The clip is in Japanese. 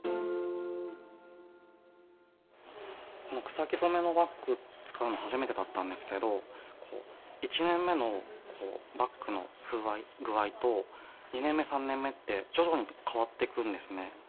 草木染めのバッグ使うの初めてだったんですけど１年目のバッグの風合い具合と２年目３年目って徐々に変わってくんですね。